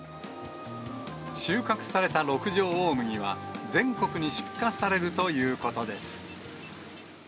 収穫された六条大麦は、全国に出荷されるということです。